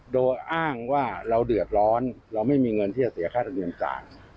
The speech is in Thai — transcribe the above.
โดยอ้างว่าเราเดือดร้อนเราไม่มีเงินที่จะเสียค่าธรรมเนียมการ